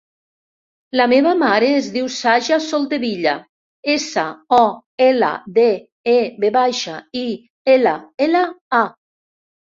La meva mare es diu Saja Soldevilla: essa, o, ela, de, e, ve baixa, i, ela, ela, a.